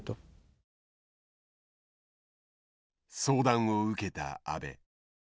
相談を受けた安倍。